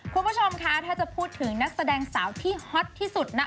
คุณผู้ชมคะถ้าจะพูดถึงนักแสดงสาวที่ฮอตที่สุดนะ